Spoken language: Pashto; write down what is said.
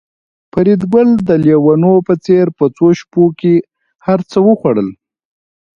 فریدګل د لېونو په څېر په څو شېبو کې هرڅه وخوړل